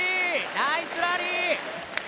ナイスラリー！